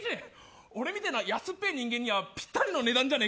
俺みたいなや安っぽい人間にはぴったりな値段やな。